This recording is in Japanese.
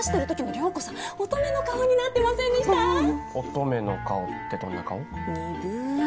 乙女の顔ってどんな顔？鈍っ。